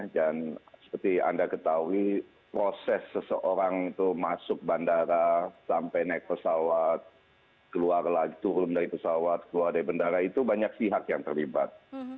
dan seperti anda ketahui proses seseorang itu masuk bandara sampai naik pesawat keluar lagi turun dari pesawat keluar dari bandara itu banyak pihak yang terlibat